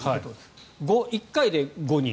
１回で５人。